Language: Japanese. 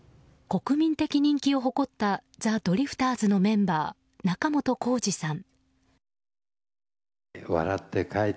国民的人気を誇ったザ・ドリフターズのメンバー仲本工事さん。